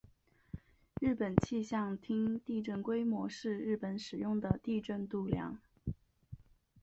日本气象厅地震规模是日本使用的地震度量。